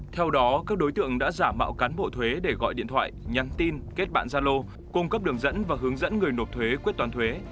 theo đó các đối tượng đã giả mạo cán bộ thuế để gọi điện thoại nhắn tin kết bạn gia lô cung cấp đường dẫn và hướng dẫn người nộp thuế quyết toán thuế